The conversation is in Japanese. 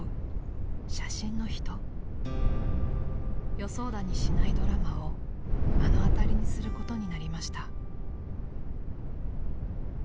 ［予想だにしないドラマを目の当たりにすることになりました］